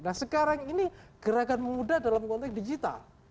nah sekarang ini gerakan muda dalam konteks digital